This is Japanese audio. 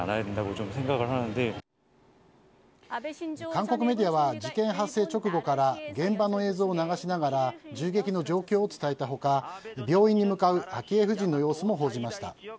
韓国メディアは事件発生直後から現場の映像を流しながら銃撃の状況を伝えた他病院に向かう昭恵夫人の様子も報じました。